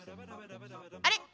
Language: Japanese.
あれ？